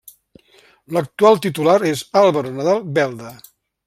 L'actual titular és Álvaro Nadal Belda.